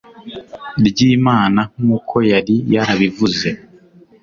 ryimana nkuko yari yarabivuze